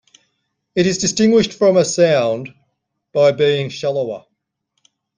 It is distinguished from a sound by being shallower.